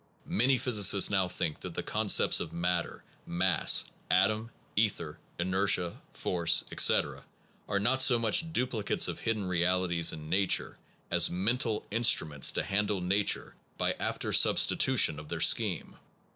Many physicists now think that the concepts of matter, mass, atom, ether, inertia, force, etc. are not so much duplicates of hidden realities in nature as mental instruments to handle nature by after substitution of their scheme.